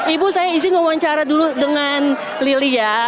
ibu saya izin ngomong cara dulu dengan lili ya